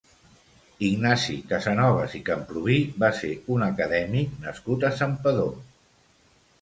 Ignasi Casanovas i Camprubí va ser un acadèmic nascut a Santpedor.